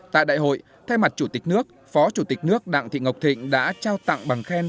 tại đại hội thay mặt chủ tịch nước phó chủ tịch nước đặng thị ngọc thịnh đã trao tặng bằng khen